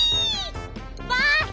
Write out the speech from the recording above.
バース